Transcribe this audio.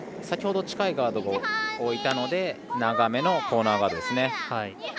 先ほど、近いガードを置いたので長めのコーナーガードですね。